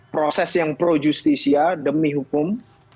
proses yang pro justisia demi hukum